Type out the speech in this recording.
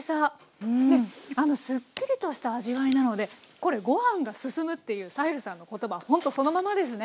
すっきりとした味わいなのでご飯が進むっていうサヘルさんの言葉ほんとそのままですね。